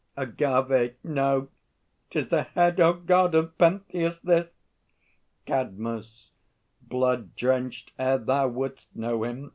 AGAVE. No; 'tis the head O God! of Pentheus, this! CADMUS. Blood drenched ere thou wouldst know him!